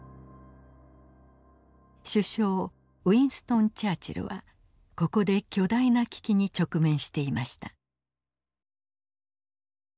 首相ウィンストン・チャーチルはここで巨大な危機に直面していました。